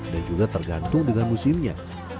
dan juga tergantung dengan musimnya